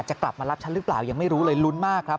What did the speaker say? จะกลับมารับฉันหรือเปล่ายังไม่รู้เลยลุ้นมากครับ